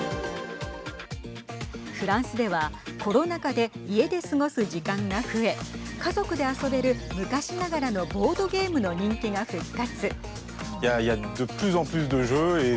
フランスではコロナ禍で家で過ごす時間が増え家族で遊べる昔ながらのボードゲームの人気が復活。